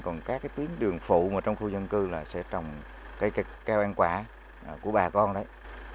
còn các tuyến đường phụ trong khu dân cư là sẽ trồng cây keo ăn quả của bà con đấy